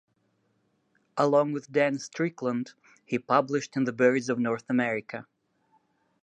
Along with Dan Strickland he published in the Birds of North America.